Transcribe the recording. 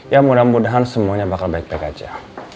ya mudah mudahan semuanya bakal baik baik aja